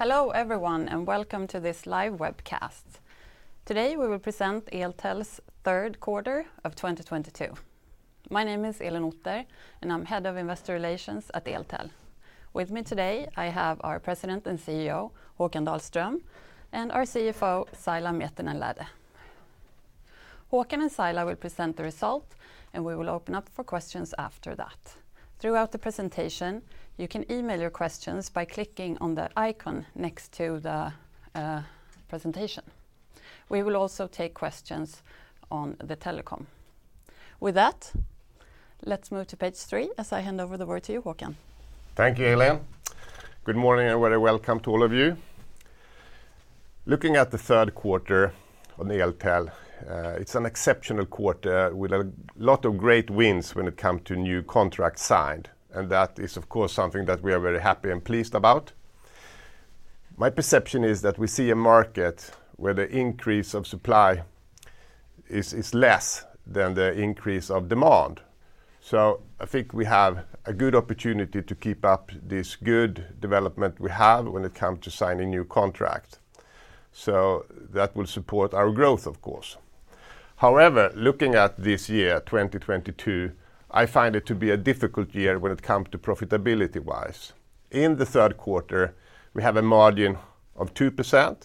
Hello everyone, and welcome to this live webcast. Today we will present Eltel's Third Quarter of 2022. My name is Elin Otter, and I'm Head of Investor Relations at Eltel. With me today I have our President and CEO, Håkan Dahlström, and our CFO, Saila Miettinen-Lähde. Håkan and Saila will present the result, and we will open up for questions after that. Throughout the presentation, you can email your questions by clicking on the icon next to the presentation. We will also take questions on the telecom. With that, let's move to page three as I hand over the word to you, Håkan. Thank you, Elin. Good morning, and very welcome to all of you. Looking at the third quarter on Eltel, it's an exceptional quarter with a lot of great wins when it come to new contract signed, and that is of course something that we are very happy and pleased about. My perception is that we see a market where the increase of supply is less than the increase of demand. I think we have a good opportunity to keep up this good development we have when it come to signing new contract. That will support our growth, of course. However, looking at this year, 2022, I find it to be a difficult year when it come to profitability-wise. In the third quarter, we have a margin of 2%,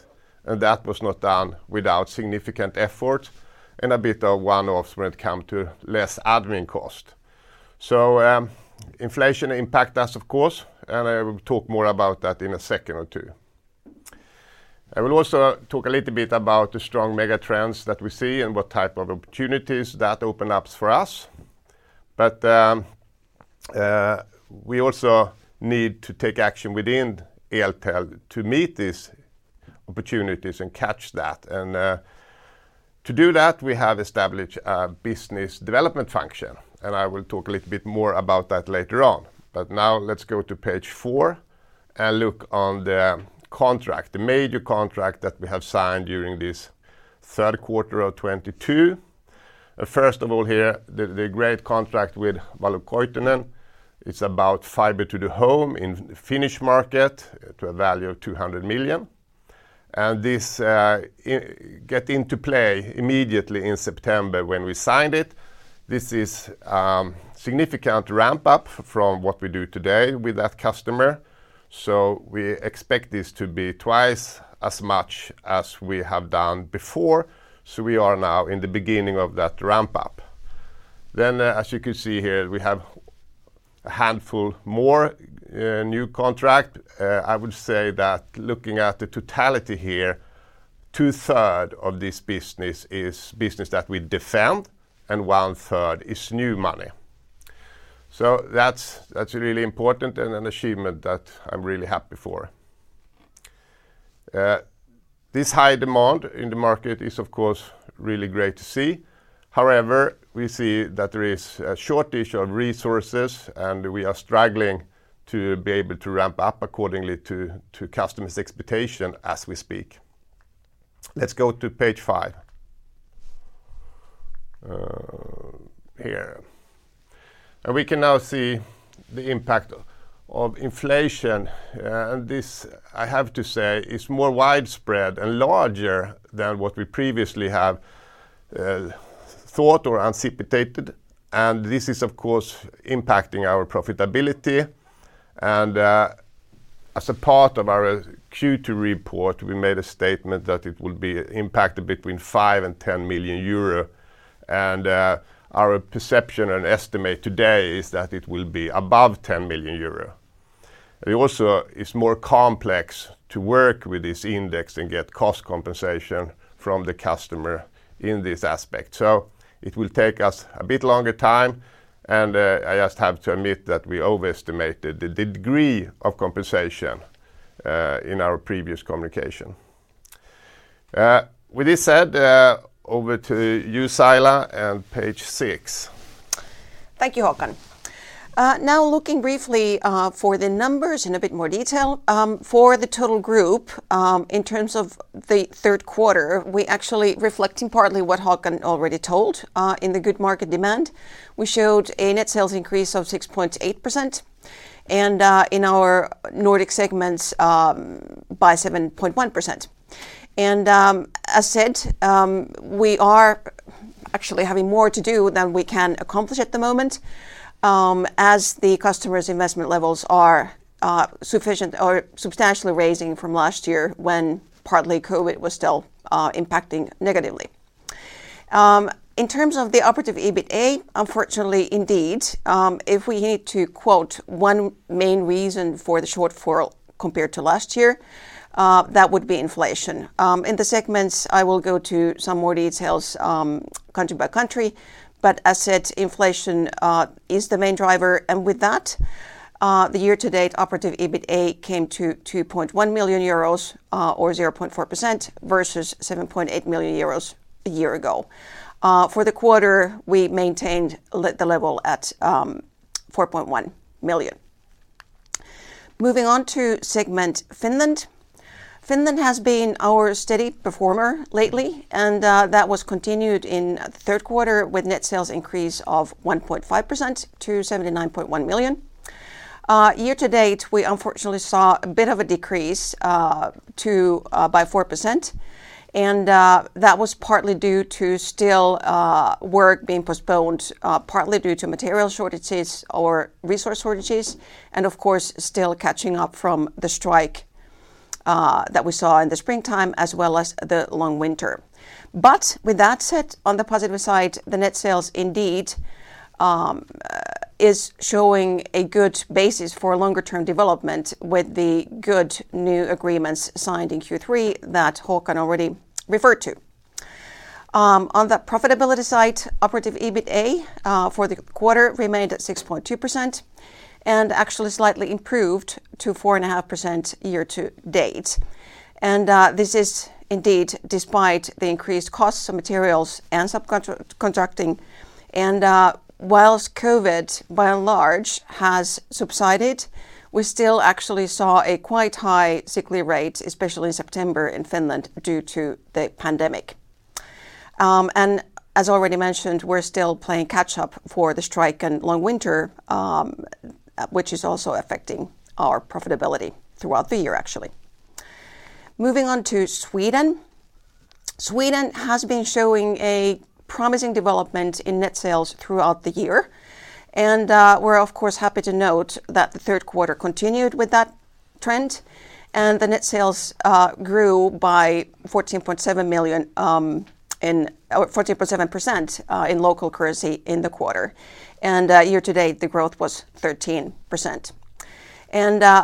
and that was not done without significant effort and a bit of one-offs when it comes to less admin cost. Inflation impacts us of course, and I will talk more about that in a second or two. I will also talk a little bit about the strong mega trends that we see and what type of opportunities that opens up for us. We also need to take action within Eltel to meet these opportunities and catch that. To do that, we have established a business development function, and I will talk a little bit more about that later on. Now let's go to page four and look on the contract, the major contract that we have signed during this third quarter of 2022. First of all here, the great contract with Valokuitunen. It's about Fiber to the Home in Finnish market to a value of 200 million. This gets into play immediately in September when we signed it. This is significant ramp up from what we do today with that customer, so we expect this to be twice as much as we have done before, so we are now in the beginning of that ramp up. As you can see here, we have a handful more new contract. I would say that looking at the totality here, 2/3 of this business is business that we defend, and 1/3 is new money. That's really important and an achievement that I'm really happy for. This high demand in the market is of course really great to see. However, we see that there is a shortage of resources, and we are struggling to be able to ramp up accordingly to customers' expectation as we speak. Let's go to page five. We can now see the impact of inflation, and this, I have to say, is more widespread and larger than what we previously have thought or anticipated, and this is of course impacting our profitability. As a part of our Q2 report, we made a statement that it will be impacted between 5 million and 10 million euro, and our perception and estimate today is that it will be above 10 million euro. It also is more complex to work with this index and get cost compensation from the customer in this aspect. It will take us a bit longer time, and I just have to admit that we overestimated the degree of compensation in our previous communication. With this said, over to you, Saila, and page six. Thank you, Håkan. Now looking briefly for the numbers in a bit more detail. For the total group, in terms of the third quarter, we are actually reflecting partly what Håkan already told in the good market demand. We showed a net sales increase of 6.8%, and in our Nordic segments by 7.1%. As said, we are actually having more to do than we can accomplish at the moment, as the customers' investment levels are sufficient or substantially rising from last year when partly COVID was still impacting negatively. In terms of the Operative EBITA, unfortunately indeed, if we need to quote one main reason for the shortfall compared to last year, that would be inflation. In the segments, I will go to some more details, country by country, but as said, inflation is the main driver. With that, the year-to-date Operative EBITA came to 2.1 million euros, or 0.4%, versus 7.8 million euros a year ago. For the quarter, we maintained the level at 4.1 million. Moving on to segment Finland. Finland has been our steady performer lately, and that was continued in the third quarter with net sales increase of 1.5% to 79.1 million. Year to date, we unfortunately saw a bit of a decrease by 4% and that was partly due to still work being postponed, partly due to material shortages or resource shortages and of course still catching up from the strike that we saw in the springtime as well as the long winter. With that said, on the positive side, the net sales indeed is showing a good basis for longer term development with the good new agreements signed in Q3 that Håkan already referred to. On the profitability side, Operative EBITA for the quarter remained at 6.2% and actually slightly improved to 4.5% year to date. This is indeed despite the increased costs of materials and subcontracting and, while COVID by and large has subsided, we still actually saw a quite high sickness rate, especially in September in Finland, due to the pandemic. As already mentioned, we're still playing catch-up from the strike and long winter, which is also affecting our profitability throughout the year actually. Moving on to Sweden. Sweden has been showing a promising development in net sales throughout the year, and we're of course happy to note that the third quarter continued with that trend and the net sales grew by 14.7% in local currency in the quarter. Year to date, the growth was 13%.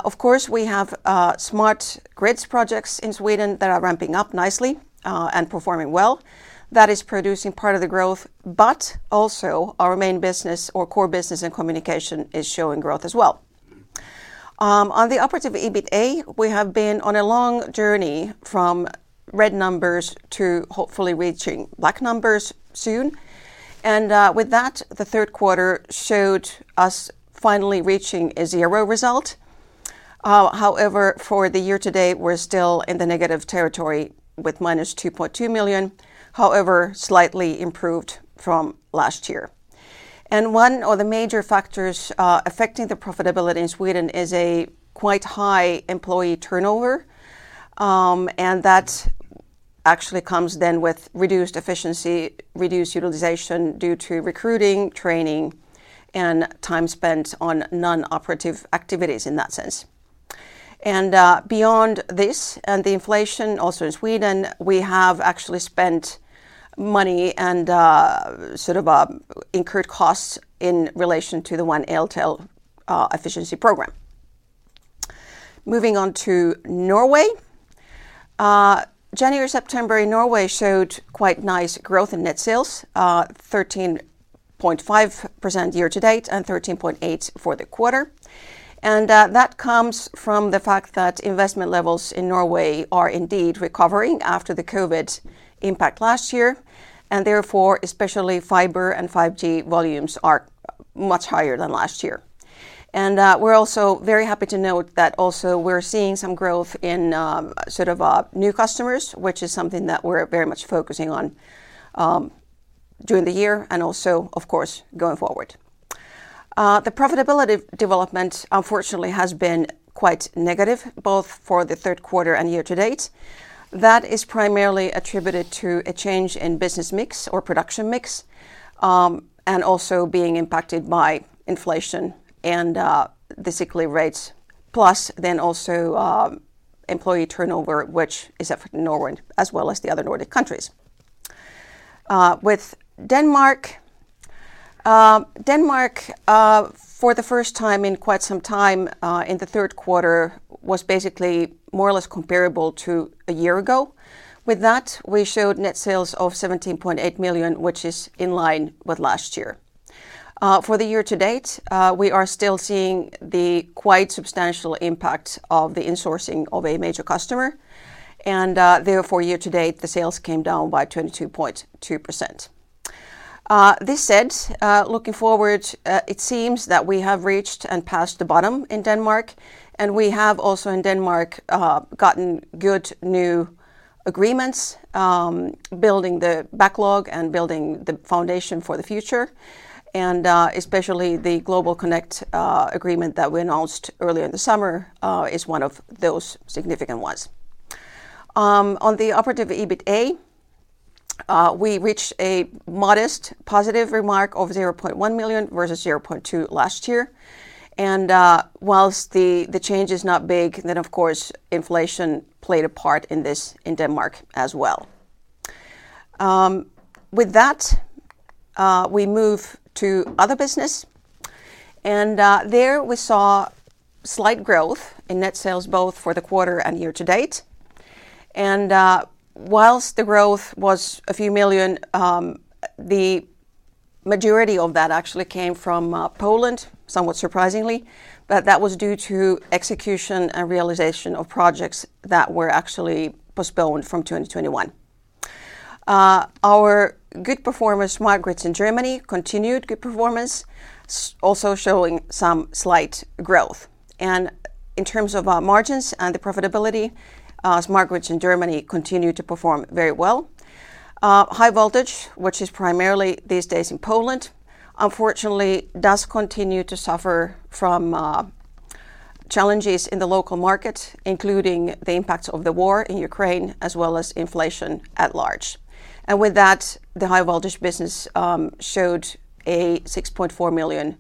Of course, we have Smart Grids projects in Sweden that are ramping up nicely and performing well. That is producing part of the growth, but also our main business or core business in communication is showing growth as well. On the Operative EBITA, we have been on a long journey from red numbers to hopefully reaching black numbers soon, and with that, the third quarter showed us finally reaching a zero result. However, for the year to date, we're still in the negative territory with -2.2 million, however, slightly improved from last year. One of the major factors affecting the profitability in Sweden is a quite high employee turnover, and that actually comes then with reduced efficiency, reduced utilization due to recruiting, training, and time spent on non-operative activities in that sense. Beyond this and the inflation also in Sweden, we have actually spent money and, sort of, incurred costs in relation to the One Eltel efficiency program. Moving on to Norway. January-September in Norway showed quite nice growth in net sales, 13.5% year to date and 13.8% for the quarter. That comes from the fact that investment levels in Norway are indeed recovering after the COVID impact last year, and therefore especially fiber and 5G volumes are much higher than last year. We're also very happy to note that also we're seeing some growth in, sort of, new customers, which is something that we're very much focusing on, during the year and also of course going forward. The profitability development unfortunately has been quite negative both for the third quarter and year to date. That is primarily attributed to a change in business mix or production mix, and also being impacted by inflation and the sickness rates, plus then also employee turnover, which is affecting Norway as well as the other Nordic countries. Denmark for the first time in quite some time in the third quarter was basically more or less comparable to a year ago. With that, we showed net sales of 17.8 million, which is in line with last year. For the year to date, we are still seeing the quite substantial impact of the insourcing of a major customer, and therefore year to date, the sales came down by 22.2%. That said, looking forward, it seems that we have reached and passed the bottom in Denmark, and we have also in Denmark gotten good new agreements, building the backlog and building the foundation for the future, and especially the GlobalConnect agreement that we announced earlier in the summer is one of those significant ones. On the Operative EBITA, we reached a modest positive result of 0.1 million versus 0.2 million last year. While the change is not big, then of course inflation played a part in this in Denmark as well. With that, we move to other business, and there we saw slight growth in net sales both for the quarter and year to date. While the growth was EUR a few million, the majority of that actually came from Poland, somewhat surprisingly, but that was due to execution and realization of projects that were actually postponed from 2021. Our good performance in Smart Grids in Germany continued good performance, also showing some slight growth. In terms of margins and the profitability, Smart Grids in Germany continue to perform very well. High Voltage, which is primarily these days in Poland, unfortunately does continue to suffer from challenges in the local market, including the impact of the war in Ukraine, as well as inflation at large. With that, the High Voltage business showed a 6.4 million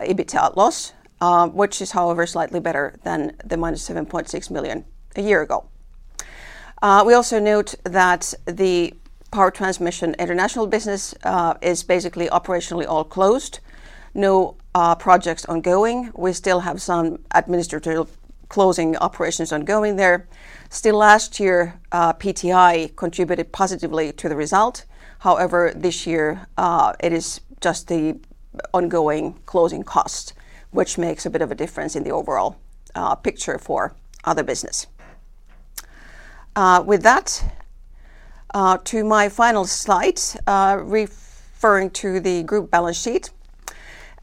EBITA loss, which is, however, slightly better than the -7.6 million a year ago. We also note that the Power Transmission International business is basically operationally all closed, no projects ongoing. We still have some administrative closing operations ongoing there. Still last year, PTI contributed positively to the result. However, this year, it is just the ongoing closing cost, which makes a bit of a difference in the overall picture for other business. With that, to my final slide, referring to the group balance sheet.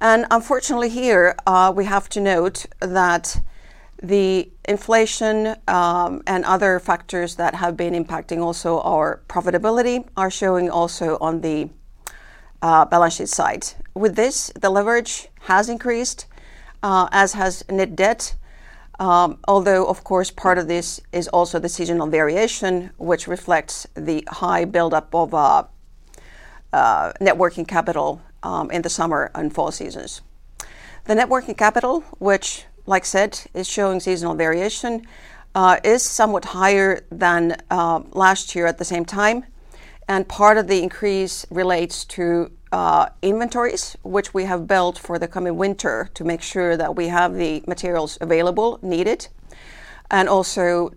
Unfortunately here, we have to note that the inflation and other factors that have been impacting also our profitability are showing also on the balance sheet side. With this, the leverage has increased, as has net debt. Although of course, part of this is also the seasonal variation, which reflects the high buildup of net working capital in the summer and fall seasons. The net working capital, which like I said, is showing seasonal variation, is somewhat higher than last year at the same time, and part of the increase relates to inventories, which we have built for the coming winter to make sure that we have the materials available needed, and also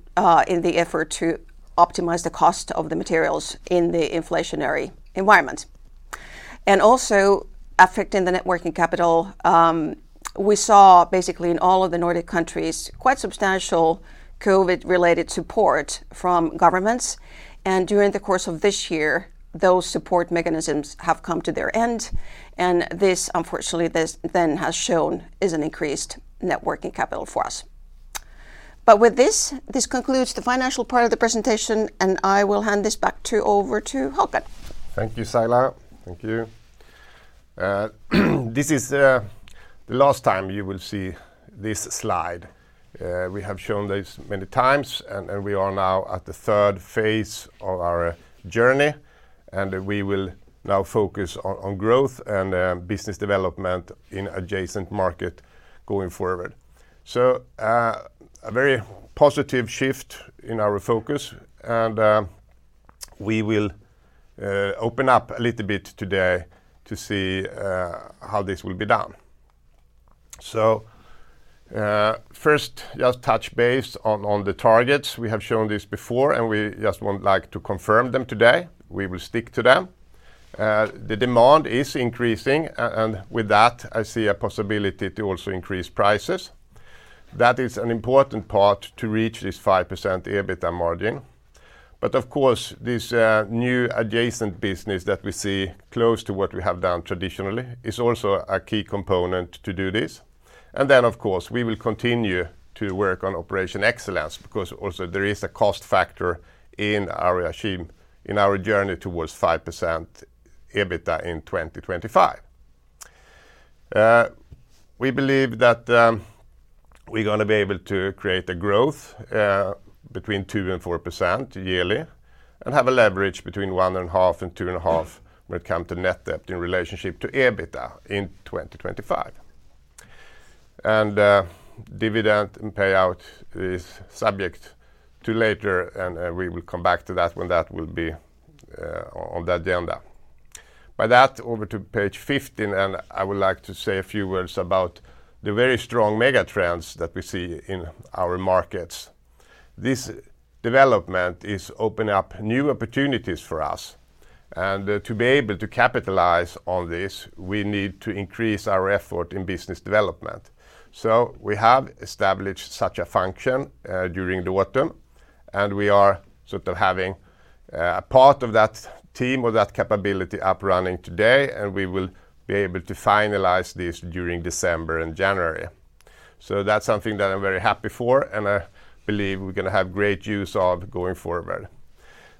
in the effort to optimize the cost of the materials in the inflationary environment. Also affecting the net working capital, we saw basically in all of the Nordic countries, quite substantial COVID-related support from governments, and during the course of this year, those support mechanisms have come to their end, and this. Unfortunately, this then has shown us an increased net working capital for us. With this concludes the financial part of the presentation, and I will hand over to Håkan. Thank you, Saila. Thank you. This is the last time you will see this slide. We have shown this many times, and we are now at the third phase of our journey, and we will now focus on growth and business development in adjacent market going forward. A very positive shift in our focus, and we will open up a little bit today to see how this will be done. First, just touch base on the targets. We have shown this before, and we just would like to confirm them today. We will stick to them. The demand is increasing and with that, I see a possibility to also increase prices. That is an important part to reach this 5% EBITDA margin. Of course, this new adjacent business that we see close to what we have done traditionally is also a key component to do this. Then, of course, we will continue to work on operational excellence because also there is a cost factor in our journey towards 5% EBITDA in 2025. We believe that we're gonna be able to create a growth between 2% and 4% yearly and have a leverage between 1.5 and 2.5 when it come to net debt in relationship to EBITDA in 2025. Dividend and payout is subject to later, and we will come back to that when that will be on the agenda. With that, over to page 15, and I would like to say a few words about the very strong mega trends that we see in our markets. This development is opening up new opportunities for us, and to be able to capitalize on this, we need to increase our effort in business development. We have established such a function during the autumn, and we are sort of having part of that team or that capability up and running today, and we will be able to finalize this during December and January. That's something that I'm very happy for, and I believe we're gonna have great use of going forward.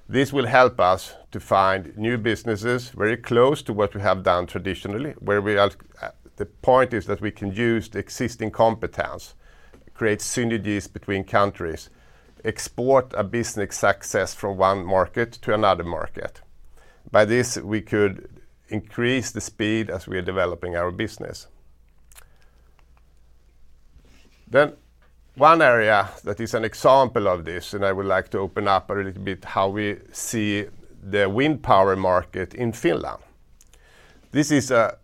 This will help us to find new businesses very close to what we have done traditionally, the point is that we can use the existing competence, create synergies between countries, export a business success from one market to another market. By this, we could increase the speed as we are developing our business. One area that is an example of this, and I would like to open up a little bit how we see the wind power market in Finland. This is a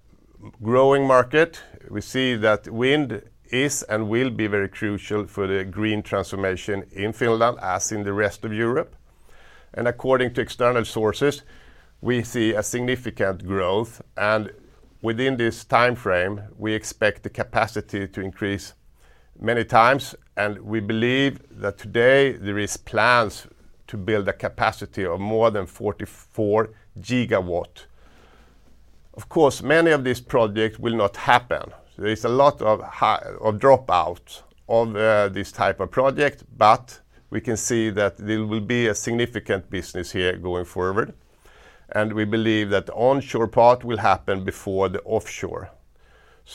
growing market. We see that wind is and will be very crucial for the green transformation in Finland, as in the rest of Europe. According to external sources, we see a significant growth, and within this timeframe, we expect the capacity to increase many times, and we believe that today there is plans to build a capacity of more than 44 gigawatt. Of course, many of these projects will not happen. There is a lot of dropout of this type of project, but we can see that there will be a significant business here going forward, and we believe that the onshore part will happen before the offshore.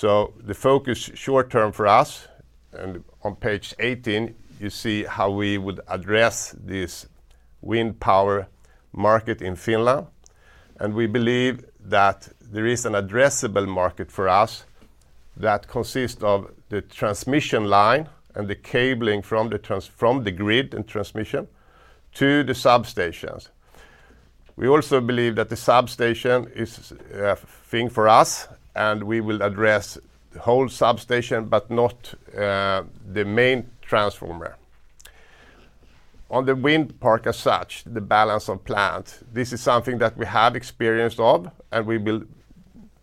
The focus short-term for us, and on page 18, you see how we would address this wind power market in Finland, and we believe that there is an addressable market for us that consists of the transmission line and the cabling from the grid and transmission to the substations. We also believe that the substation is a thing for us, and we will address the whole substation, but not the main transformer. On the wind park as such, the Balance of Plant, this is something that we have experience of, and we will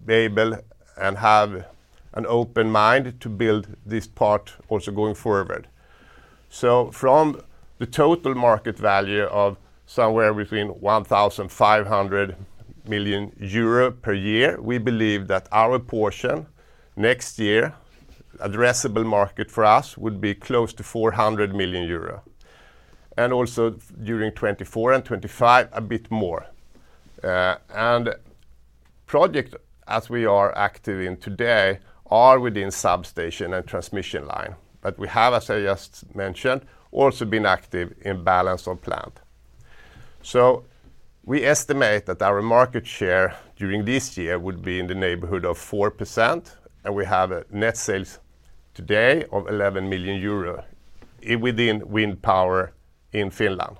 be able and have an open mind to build this part also going forward. From the total market value of somewhere between 1,500 million euro per year, we believe that our portion next year, addressable market for us would be close to 400 million euro, and also during 2024 and 2025, a bit more. Project as we are active in today are within substation and transmission line, but we have, as I just mentioned, also been active in Balance of Plant. We estimate that our market share during this year would be in the neighborhood of 4%, and we have net sales today of 11 million euro within wind power in Finland.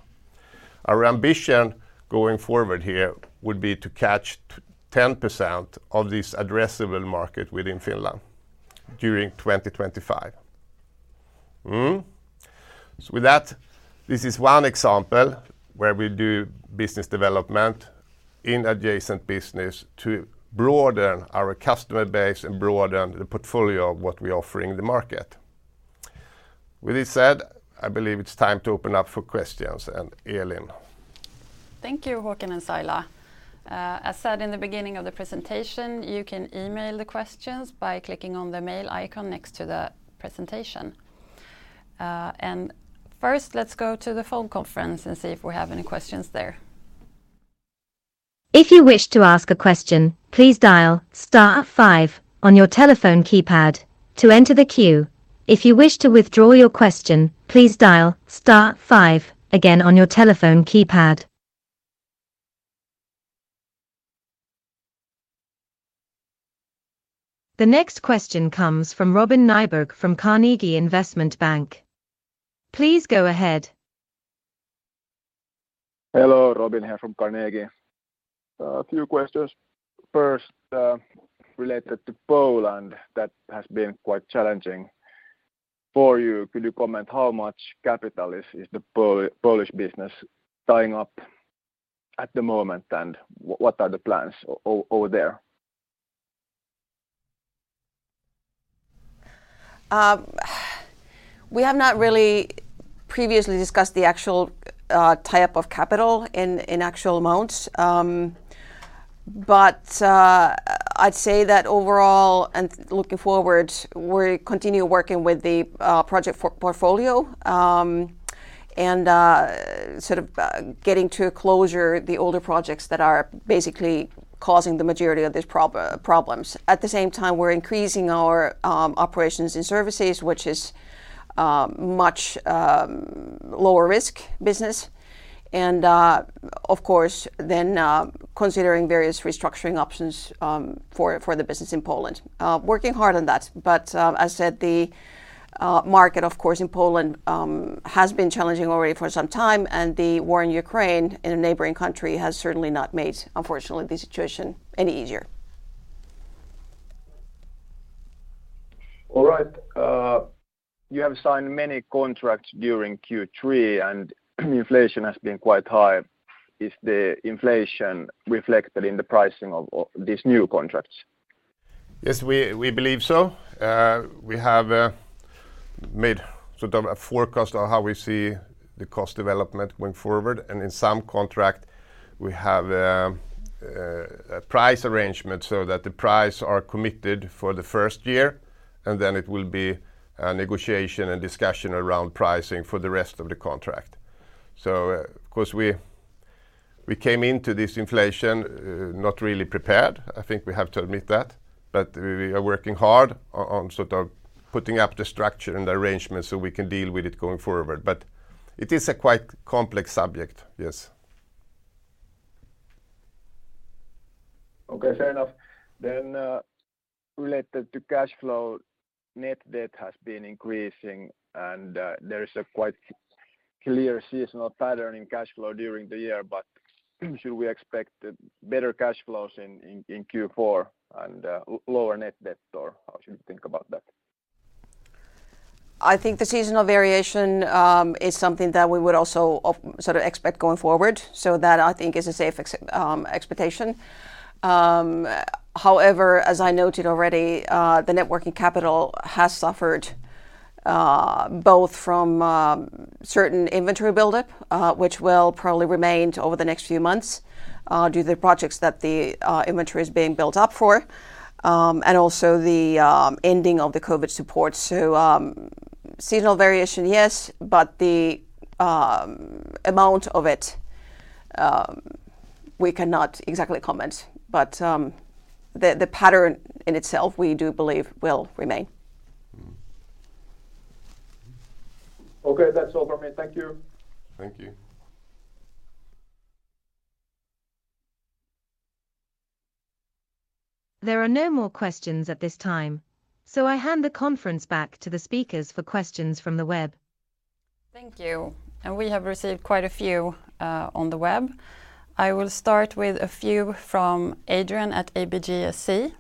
Our ambition going forward here would be to catch 10% of this addressable market within Finland during 2025. With that, this is one example where we do business development in adjacent business to broaden our customer base and broaden the portfolio of what we offer in the market. With this said, I believe it's time to open up for questions, and Elin. Thank you, Håkan and Saila. As said in the beginning of the presentation, you can email the questions by clicking on the mail icon next to the presentation. First, let's go to the phone conference and see if we have any questions there. If you wish to ask a question, please dial star five on your telephone keypad to enter the queue. If you wish to withdraw your question, please dial star five again on your telephone keypad. The next question comes from Robin Nyberg from Carnegie Investment Bank. Please go ahead. Hello. Robin here from Carnegie. A few questions. First, related to Poland, that has been quite challenging for you. Could you comment how much capital is the Polish business tying up at the moment, and what are the plans over there? We have not really previously discussed the actual tie-up of capital in actual amounts. I'd say that overall and looking forward, we continue working with the project portfolio, and sort of getting to a closure the older projects that are basically causing the majority of these problems. At the same time, we're increasing our operations and services, which is much lower risk business, and of course then considering various restructuring options for the business in Poland. Working hard on that, but as said, the market of course in Poland has been challenging already for some time, and the war in Ukraine in a neighboring country has certainly not made, unfortunately, the situation any easier. All right. You have signed many contracts during Q3, and inflation has been quite high. Is the inflation reflected in the pricing of these new contracts? Yes, we believe so. We have made sort of a forecast on how we see the cost development going forward, and in some contract we have a price arrangement so that the price are committed for the first year, and then it will be a negotiation and discussion around pricing for the rest of the contract. Of course, we came into this inflation not really prepared. I think we have to admit that, but we are working hard on sort of putting up the structure and the arrangement so we can deal with it going forward, but it is a quite complex subject, yes. Okay, fair enough. Related to cash flow, net debt has been increasing, and there is a quite clear seasonal pattern in cash flow during the year, but should we expect better cash flows in Q4 and lower net debt, or how should we think about that? I think the seasonal variation is something that we would also sort of expect going forward, so that I think is a safe expectation. However, as I noted already, the net working capital has suffered both from certain inventory buildup, which will probably remain over the next few months, due to the projects that the inventory is being built up for, and also the ending of the COVID support. Seasonal variation, yes, but the amount of it we cannot exactly comment. The pattern in itself we do believe will remain. Mm-hmm. Okay, that's all for me. Thank you. Thank you. There are no more questions at this time, so I hand the conference back to the speakers for questions from the web. Thank you. We have received quite a few on the web. I will start with a few from Adrian at ABGSC.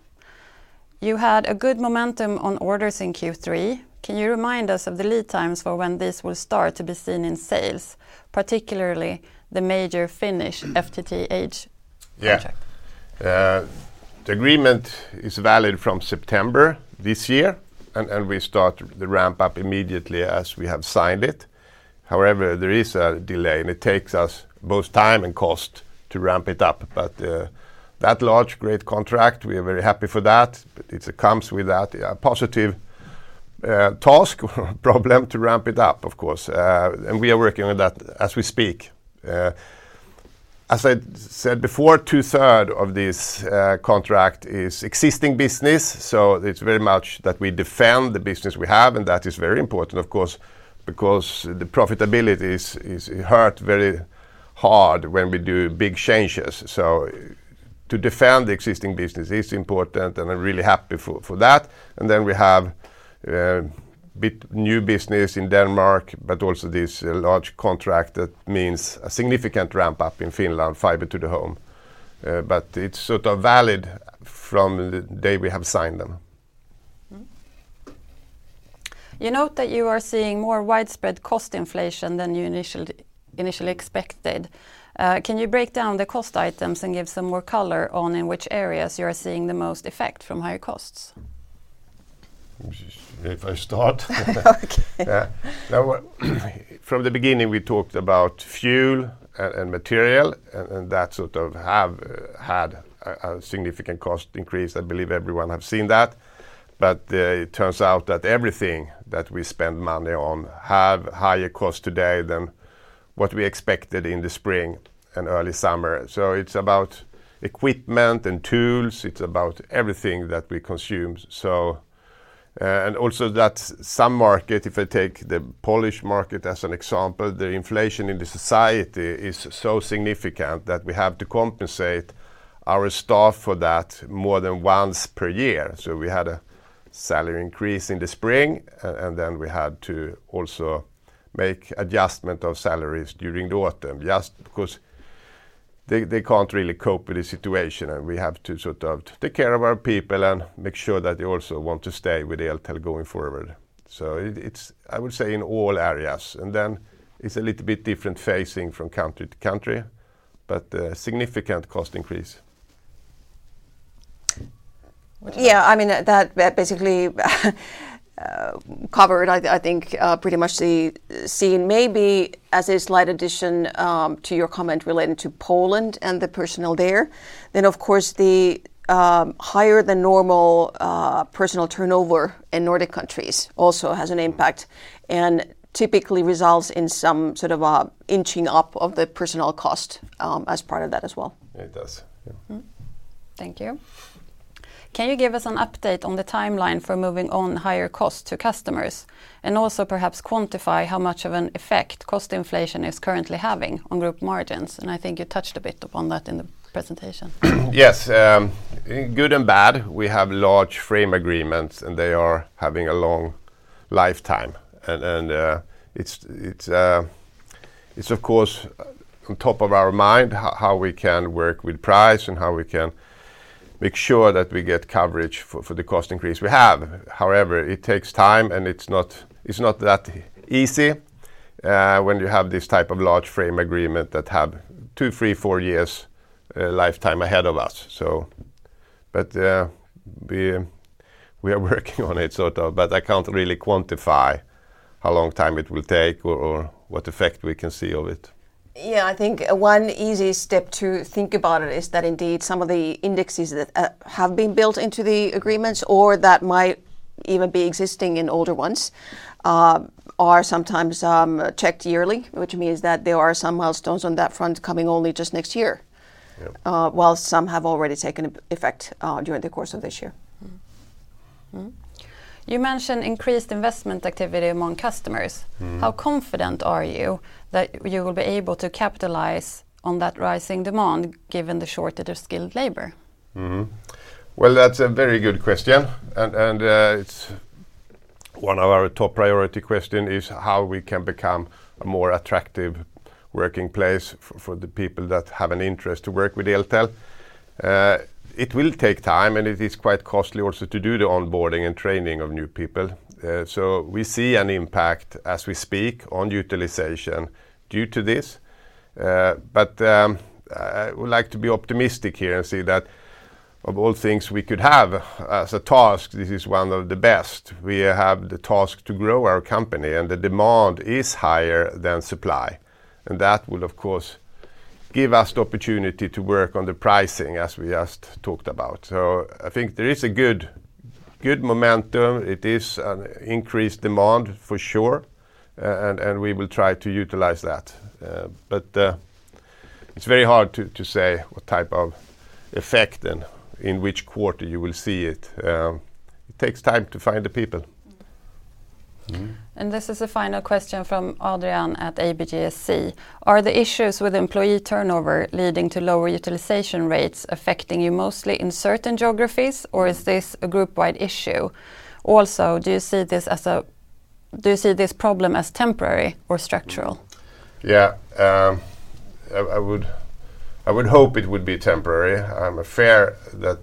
You had a good momentum on orders in Q3. Can you remind us of the lead times for when this will start to be seen in sales, particularly the major Finnish FTTH project? Yeah. The agreement is valid from September this year, and we start the ramp up immediately as we have signed it. However, there is a delay, and it takes us both time and cost to ramp it up. That large great contract, we are very happy for that. It comes with that positive task or problem to ramp it up, of course. We are working on that as we speak. As I said before, two-thirds of this contract is existing business, so it's very much that we defend the business we have, and that is very important of course, because the profitability is hurt very hard when we do big changes. To defend the existing business is important, and I'm really happy for that. We have bit new business in Denmark, but also this large contract that means a significant ramp up in Finland fiber to the home. It's sort of valid from the day we have signed them. Mm-hmm. You note that you are seeing more widespread cost inflation than you initially expected. Can you break down the cost items and give some more color on which areas you are seeing the most effect from higher costs? If I start? Okay. Yeah. No, from the beginning, we talked about fuel and material and that sort of have had a significant cost increase. I believe everyone have seen that. It turns out that everything that we spend money on have higher costs today than what we expected in the spring and early summer. It's about equipment and tools. It's about everything that we consume, and also some markets, if I take the Polish market as an example, the inflation in the society is so significant that we have to compensate our staff for that more than once per year. We had a salary increase in the spring, and then we had to also make adjustment of salaries during the autumn, just because they can't really cope with the situation, and we have to sort of take care of our people and make sure that they also want to stay with Eltel going forward. It's, I would say, in all areas. It's a little bit different, differing from country to country, but a significant cost increase. Yeah, I mean, that basically covered, I think, pretty much the scene. Maybe as a slight addition to your comment relating to Poland and the personnel there, then of course the higher than normal personnel turnover in Nordic countries also has an impact and typically results in some sort of an inching up of the personnel cost as part of that as well. It does. Yeah. Thank you. Can you give us an update on the timeline for passing on higher costs to customers, and also perhaps quantify how much of an effect cost inflation is currently having on group margins? I think you touched a bit upon that in the presentation. Yes. Good and bad. We have large frame agreements, and they are having a long lifetime. It's of course on top of our mind how we can work with price and how we can make sure that we get coverage for the cost increase we have. However, it takes time, and it's not that easy when you have this type of large frame agreement that have two, three, four years lifetime ahead of us. We are working on it sort of, but I can't really quantify how long time it will take or what effect we can see of it. Yeah, I think one easy step to think about it is that indeed some of the indexes that have been built into the agreements or that might even be existing in older ones are sometimes checked yearly, which means that there are some milestones on that front coming only just next year. Yeah While some have already taken effect during the course of this year. You mentioned increased investment activity among customers. Mm-hmm. How confident are you that you will be able to capitalize on that rising demand given the shortage of skilled labor? Well, that's a very good question. It's one of our top priority question is how we can become a more attractive working place for the people that have an interest to work with Eltel. It will take time, and it is quite costly also to do the onboarding and training of new people. We see an impact as we speak on utilization due to this. I would like to be optimistic here and say that of all things we could have as a task, this is one of the best. We have the task to grow our company, and the demand is higher than supply. That will, of course, give us the opportunity to work on the pricing as we just talked about. I think there is a good momentum. It is an increased demand for sure. We will try to utilize that. It's very hard to say what type of effect and in which quarter you will see it. It takes time to find the people. Mm-hmm. Mm-hmm. This is a final question from Adrian at ABG Sundal Collier. Are the issues with employee turnover leading to lower utilization rates affecting you mostly in certain geographies, or is this a group-wide issue? Also, do you see this problem as temporary or structural? Yeah. I would hope it would be temporary. I'm afraid that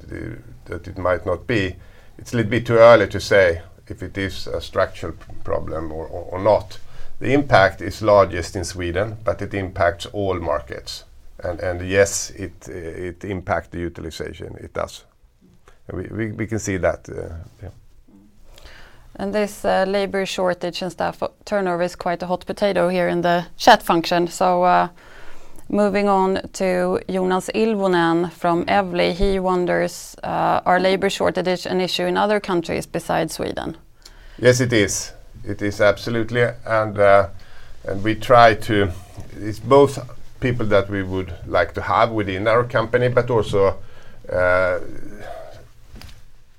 it might not be. It's a little bit too early to say if it is a structural problem or not. The impact is largest in Sweden, but it impacts all markets. Yes, it impacts the utilization. It does. We can see that, yeah. This labor shortage and staff turnover is quite a hot potato here in the chat function. Moving on to Jonas Ilvonen from Evli. He wonders, is labor shortage an issue in other countries besides Sweden? Yes, it is. It is absolutely. It's both people that we would like to have within our company, but also,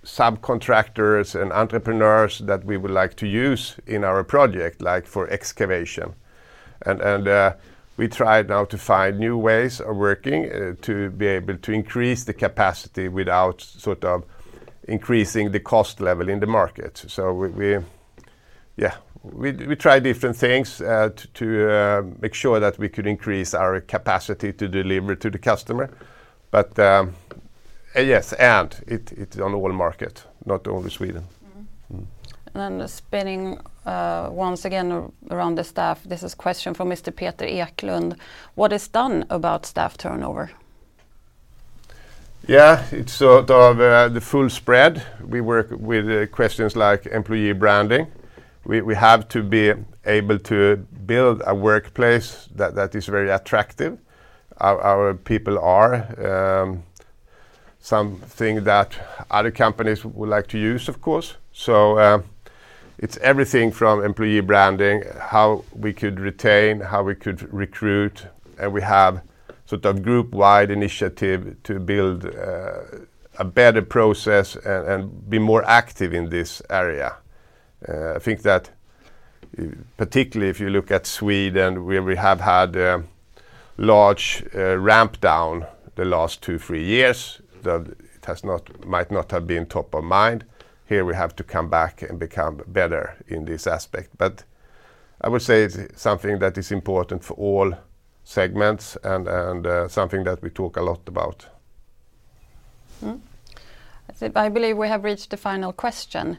subcontractors and entrepreneurs that we would like to use in our project, like for excavation. We try now to find new ways of working to be able to increase the capacity without sort of increasing the cost level in the market. We try different things to make sure that we could increase our capacity to deliver to the customer. Yes, it's on all markets, not only Sweden. Mm-hmm. Mm-hmm. Speaking once again about the staff. This is question from Mr. Peter Eklund. What is done about staff turnover? Yeah. It's sort of the full spread. We work with questions like employee branding. We have to be able to build a workplace that is very attractive. Our people are something that other companies would like to use, of course. It's everything from employee branding, how we could retain, how we could recruit. We have sort of group-wide initiative to build a better process and be more active in this area. I think that particularly if you look at Sweden, where we have had large ramp down the last two, three years, it might not have been top of mind. Here we have to come back and become better in this aspect. I would say it's something that is important for all segments and something that we talk a lot about. Mm-hmm. I think, I believe we have reached the final question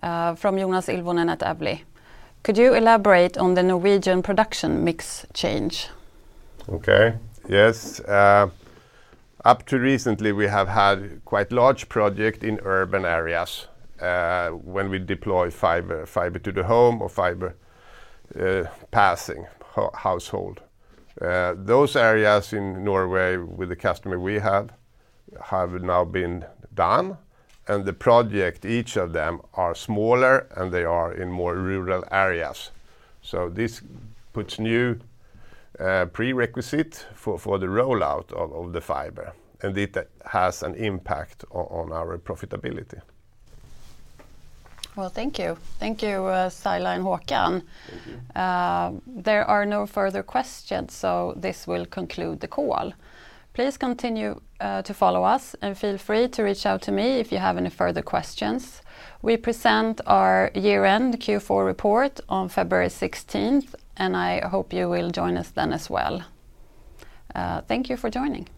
from Jonas Ilvonen at Evli. Could you elaborate on the Norwegian production mix change? Yes. Up to recently, we have had quite large project in urban areas when we deploy fiber, Fiber to the Home or fiber passing household. Those areas in Norway with the customer we have have now been done, and the project, each of them, are smaller, and they are in more rural areas. This puts new prerequisite for the rollout of the fiber, and it has an impact on our profitability. Well, thank you. Thank you, Saila and Håkan. Thank you. There are no further questions, so this will conclude the call. Please continue to follow us, and feel free to reach out to me if you have any further questions. We present our year-end Q4 report on February 16th, and I hope you will join us then as well. Thank you for joining.